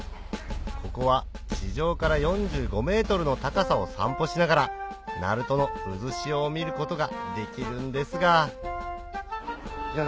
ここは地上から４５ｍの高さを散歩しながら鳴門の渦潮を見ることができるんですがやだ